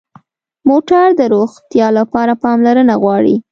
موټر د روغتیا لپاره پاملرنه غواړي.